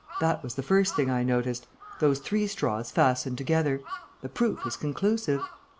That was the first thing I noticed: those three straws fastened together. The proof is conclusive."